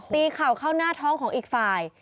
เข่าเข้าหน้าท้องของอีกฝ่าย